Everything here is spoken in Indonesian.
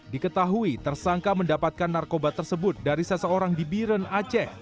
diketahui tersangka mendapatkan narkoba tersebut dari seseorang di biren aceh